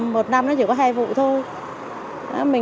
một năm nó chỉ có hai vụ thôi